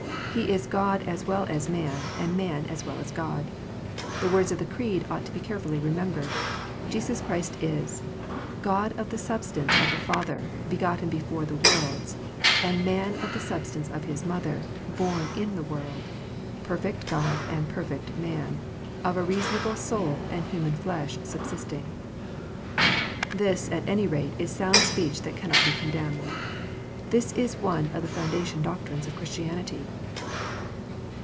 He is God as well as man, and man as well as God. The words of the Creed ought to be carefully remembered. Jesus Christ is "God of the substance of the Father, begotten before the worlds ; and Man of the substance of His mother, born in the world : perfect God and perfect Man, of a reasonable soul and human flesh subsisting." This, at any rate, is sound speech that cannot be condemned. This is one of the foundation doc trines of Christianity.